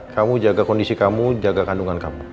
kamu jaga kondisi kamu jaga kandungan kamu